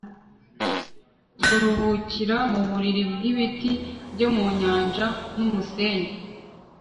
Kuruhukira mu buriri bwibiti byo mu nyanja numusenyi